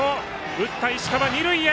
打った石川、二塁へ！